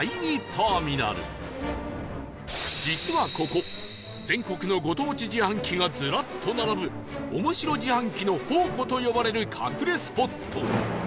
実はここ全国のご当地自販機がずらっと並ぶ「おもしろ自販機の宝庫」と呼ばれる隠れスポット